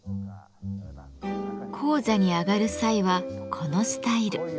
高座に上がる際はこのスタイル。